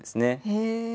へえ。